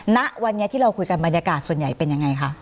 ณวันนี้ที่เราคุยกันบรรยากาศส่วนใหญ่เป็นยังไงคะ